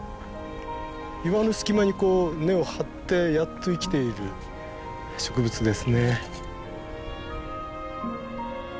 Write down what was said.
岩の隙間にこう根を張ってやっと生きている植物ですね。